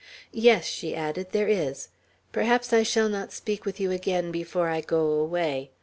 Yes," she added, "there is. Perhaps I shall not speak with you again before I go away.